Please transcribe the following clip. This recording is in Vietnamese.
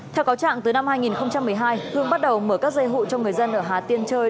theo cáo trạng từ năm hai nghìn một mươi hai hương bắt đầu mở các dây hụi cho người dân ở hà tiên chơi